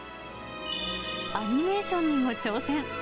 アニメーションにも挑戦。